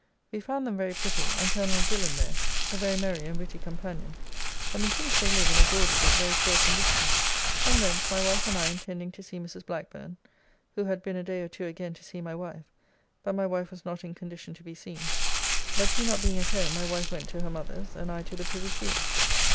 We found them very pretty, and Coll. Dillon there, a very merry and witty companion, but methinks they live in a gaudy but very poor condition. From thence, my wife and I intending to see Mrs. Blackburne, who had been a day or two again to see my wife, but my wife was not in condition to be seen, but she not being at home my wife went to her mother's and I to the Privy Seal.